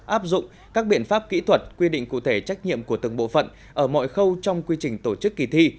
áp dụng các biện pháp kỹ thuật quy định cụ thể trách nhiệm của từng bộ phận ở mọi khâu trong quy trình tổ chức kỳ thi